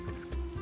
あ